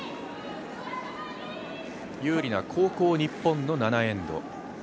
有利な後攻・日本の７エンド。